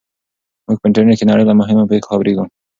موږ په انټرنیټ کې د نړۍ له مهمو پېښو خبریږو.